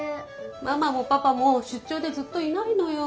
ママもパパもしゅっちょうでずっといないのよ。